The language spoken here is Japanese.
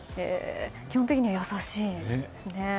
基本的に優しいんですね。